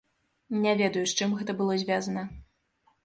Не ведаю, з чым гэта было звязана.